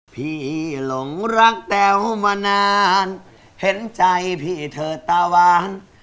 หลงรักแต๋วมานานเห็นใจพี่เถิดตาวาน